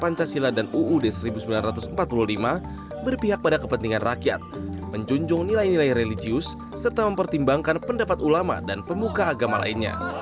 pancasila dan uud seribu sembilan ratus empat puluh lima berpihak pada kepentingan rakyat menjunjung nilai nilai religius serta mempertimbangkan pendapat ulama dan pemuka agama lainnya